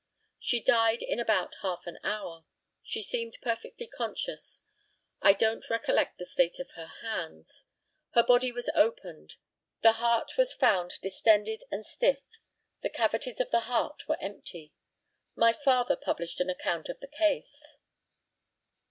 She died in about half an hour. She seemed perfectly conscious. I don't recollect the state of her hands. Her body was opened. The heart was found distended and stiff. The cavities of the heart were empty. My father published an account of the case.